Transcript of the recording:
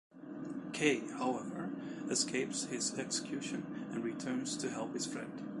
Kei, however, escapes his execution and returns to help his friend.